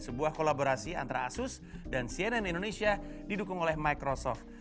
sebuah kolaborasi antara asus dan cnn indonesia didukung oleh microsoft